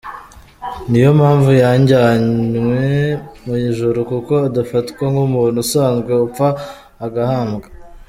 Ni yo mpamvu yajyanywe mu ijuru kuko adafatwa nk’umuntu usanzwe upfa agahambwa.